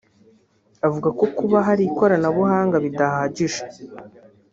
avuga ko kuba hari ikoranabuhanga bidahagije